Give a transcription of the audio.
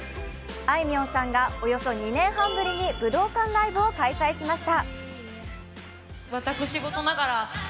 あいみょんさんがおよそ２年半ぶりに武道館ライブを開催しました。